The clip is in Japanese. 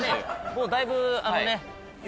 もうだいぶあのね。